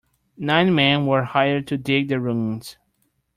Nine men were hired to dig the ruins.